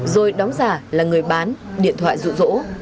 rồi đóng giả là người bán điện thoại rụ rỗ